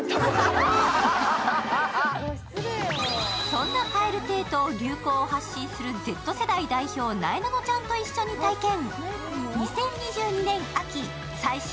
そんな蛙亭と流行を発信するＺ世代代表、なえなのちゃんと一緒に体験。